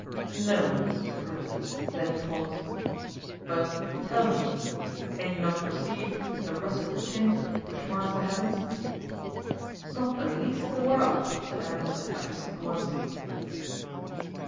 "No," said Winter, then he paused; "but tell me, can you not perceive the russet tint which marks the heavens?" "Not the least in the world," said Aramis and Athos at once.